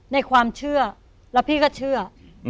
ในความเชื่อแล้วพี่ก็เชื่อ